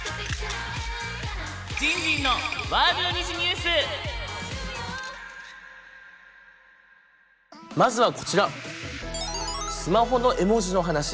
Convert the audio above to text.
じんじんのまずはこちらスマホの絵文字の話。